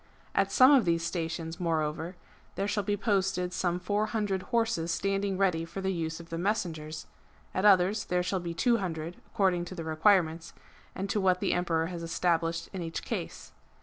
At some of these stations, moreover, there shall be posted some four hundred horses standing ready for the use of the messengers ; at others there shall be two hundred, according to the requirements, and to what the Emperor has established in each case.